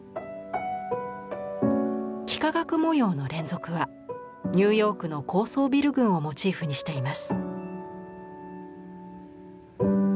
幾何学模様の連続はニューヨークの高層ビル群をモチーフにしています。